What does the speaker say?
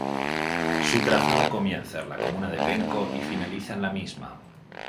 Su trazado comienza en la comuna de Penco y finaliza en la misma.